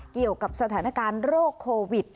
เกี่ยวกับสถานการณ์โรคโควิด